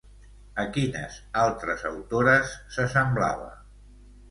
A quines altres autores s'assemblava?